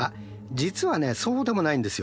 実はねそうでもないんですよ。